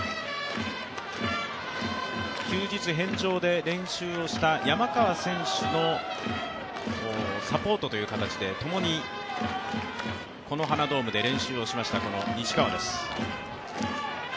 休日返上で練習をした山川選手のサポートという形でともにこのはなドームで練習をしました西川です。